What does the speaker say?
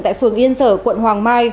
tại phường yên sở quận hoàng mai